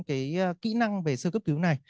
cái kỹ năng về sơ cấp cứu này